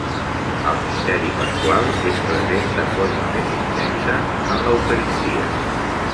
El Misteri Pasqual és present de forma més intensa en l'Eucaristia.